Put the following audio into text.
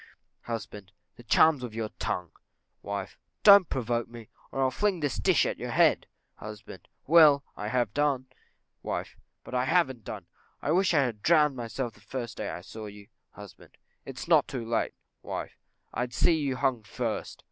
Husband. The charms of your tongue. Wife. Don't provoke me, or I'll fling this dish at you head. Husband. Well, I have done. Wife. But I haven't done: I wish I had drowned myself the first day I saw you. Husband. It's not too late. Wife. I'd see you hung first.